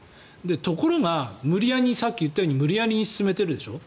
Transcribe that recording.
ところが、さっき言ったように無理やり進めてるでしょ。